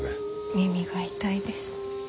耳が痛いです。